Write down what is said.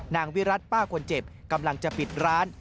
วิรัติป้าคนเจ็บกำลังจะปิดร้าน